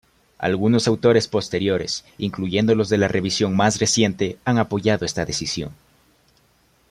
Algunos autores posteriores, incluyendo los de la revisión más reciente, han apoyado esta decisión.